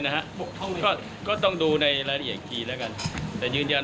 ท่านต้องก็ยืนยานในเรื่องต้น